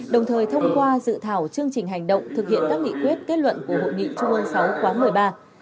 đồng thời thông qua dự thảo chương trình hành động thực hiện các nghị quyết kết luận của hội nghị trung ương sáu khóa một mươi ba